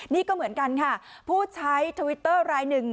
นี่ก็เหมือนกันค่ะผู้ใช้ทวิตเตอร์รายหนึ่ง